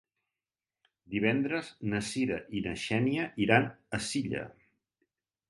Divendres na Cira i na Xènia iran a Silla.